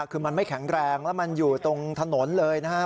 คือมันไม่แข็งแรงแล้วมันอยู่ตรงถนนเลยนะครับ